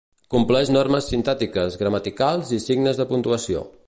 Compleix normes sintàctiques, gramaticals, i signes de puntuació.